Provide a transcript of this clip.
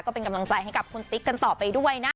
ก็เป็นกำลังใจให้กับคุณติ๊กกันต่อไปด้วยนะ